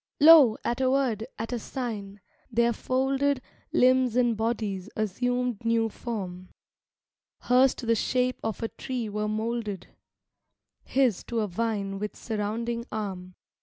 VII Lo! at a word, at a sign, their folded Limbs and bodies assumed new form, Hers to the shape of a tree were molded, His to a vine with surrounding arm....